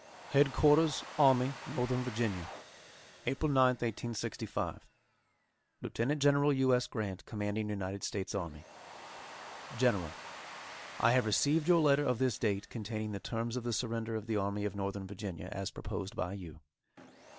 H'DQ'RS ARMY NORTHERN VA., APRIL 9, 1865. Lieutenant General U. S. Grant, Commanding United States Army: GENERAL: I have received your letter of this date containing the terms of the surrender of the Army of Northern Virginia, as proposed by you.